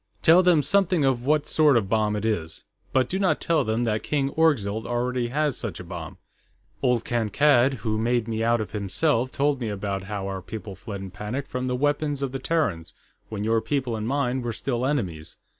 "Tell them something of what sort of a bomb it is. But do not tell them that King Orgzild already has such a bomb. Old Kankad, who made me out of himself, told me about how our people fled in panic from the weapons of the Terrans, when your people and mine were still enemies.